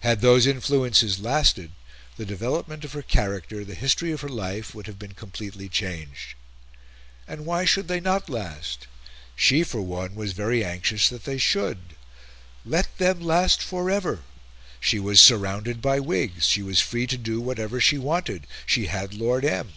Had those influences lasted, the development of her character, the history of her life, would have been completely changed. And why should they not last? She, for one, was very anxious that they should. Let them last for ever! She was surrounded by Whigs, she was free to do whatever she wanted, she had Lord M.